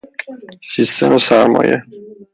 سیستم سرمایه